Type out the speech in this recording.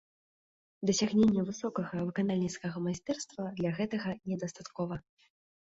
Дасягнення высокага выканальніцкага майстэрства для гэтага не дастаткова.